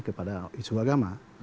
kepada isu agama